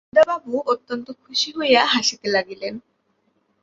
অন্নদাবাবু অত্যন্ত খুশি হইয়া হাসিতে লাগিলেন।